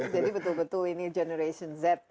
jadi betul betul ini generation z ya